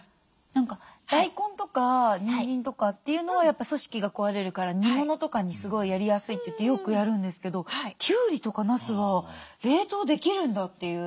何か大根とかにんじんとかっていうのはやっぱ組織が壊れるから煮物とかにすごいやりやすいといってよくやるんですけどきゅうりとかなすを冷凍できるんだっていう。